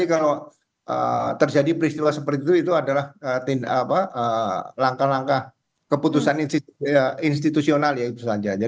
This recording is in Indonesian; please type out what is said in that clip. kalau terjadi peristiwa seperti itu itu adalah langkah langkah keputusan institusional ya itu saja